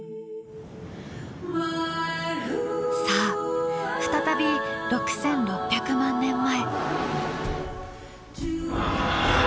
さあ再び６，６００万年前。